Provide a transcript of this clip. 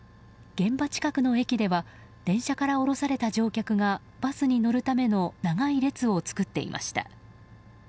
現場近くの駅では電車から降ろされた乗客がバスに乗るための長い列を作っていました。